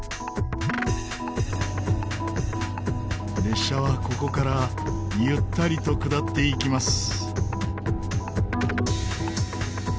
列車はここからゆったりと下っていきます。